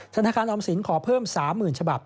ธนาคารออมสินขอเพิ่ม๓๐๐๐ฉบับ